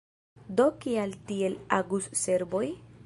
Do kial tiel agus serboj?